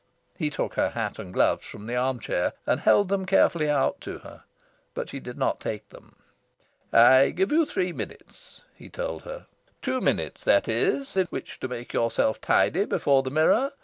He took her hat and gloves from the arm chair, and held them carefully out to her; but she did not take them. "I give you three minutes," he told her. "Two minutes, that is, in which to make yourself tidy before the mirror.